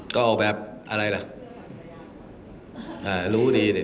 ก็เอาแบบอะไรแหละ